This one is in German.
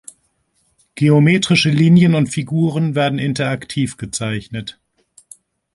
Geometrische Linien und Figuren werden interaktiv gezeichnet.